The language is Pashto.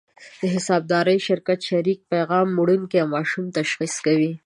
د حسابدار شرکت شریک پیغام وړونکي ماشوم تشخیص کوي.